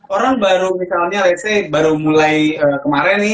orang baru misalnya let's say baru mulai kemarin nih